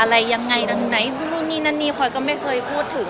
อะไรยังไงดังไหนนู่นนี่นั่นนี่พลอยก็ไม่เคยพูดถึง